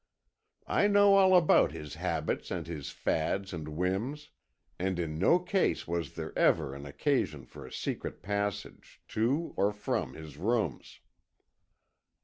I know all about his habits and his fads and whims. And in no case was there ever an occasion for a secret passage to or from his rooms."